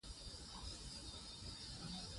کله چې ښځه تعلیم ولري، نو د پور اخیستو وړتیا پیدا کوي.